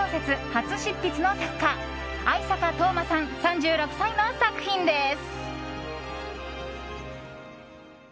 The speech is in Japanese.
初執筆の作家逢坂冬馬さん、３６歳の作品です。